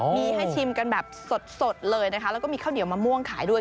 มีให้ชิมกันแบบสดเลยนะคะแล้วก็มีข้าวเหนียวมะม่วงขายด้วย